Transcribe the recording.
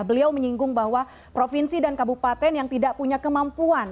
beliau menyinggung bahwa provinsi dan kabupaten yang tidak punya kemampuan